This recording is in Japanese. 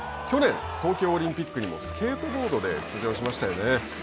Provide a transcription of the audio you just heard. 去年、東京オリンピックにもスケートボードで出場しましたよね。